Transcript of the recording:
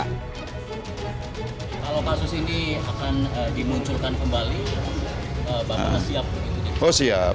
kalau kasus ini akan dimunculkan kembali bapak siap begitu